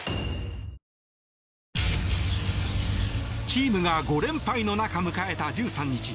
チームが５連敗の中迎えた１３日。